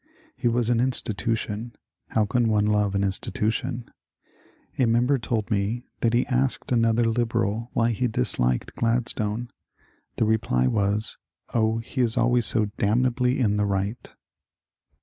He was an insti tution ; how can one love an institution ? A member told me that he asked another Liberal why he disliked Gladstone ; the reply was, ^^ Oh, he is always so damnably in the right